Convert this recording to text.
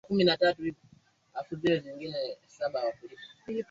ama ni uoga umesikia mengi kutoka kwa ambao wamechangia